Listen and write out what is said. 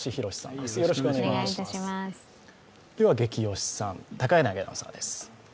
では、ゲキ推しさん、高柳アナウンサーです。